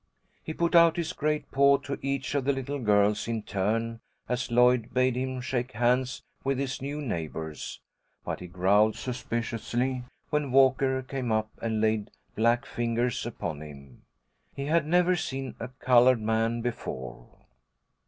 He put out his great paw to each of the little girls in turn as Lloyd bade him shake hands with his new neighbours, but he growled suspiciously when Walker came up and laid black fingers upon him. He had never seen a coloured man before.